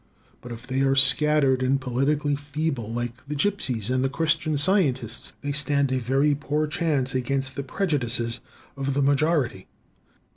But if they are scattered and politically feeble, like the gipsies and the Christian Scientists, they stand a very poor chance against the prejudices of the majority.